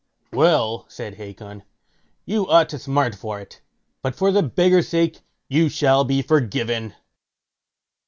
"Well", said Hacon, "you ought to smart for it; but for the beggar's sake you shall be forgiven."